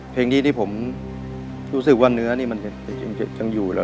เพลงนี้ที่ผมรู้สึกว่าเนื้อนี่มันยังอยู่แล้ว